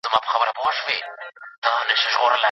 مرګ به زموږ دغه وفاداري هیڅکله هېره نه کړي.